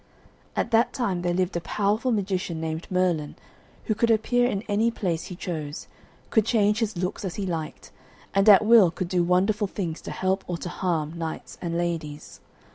At that time there lived a powerful magician named Merlin, who could appear in any place he chose, could change his looks as he liked, and at will could do wonderful things to help or to harm knights and ladies.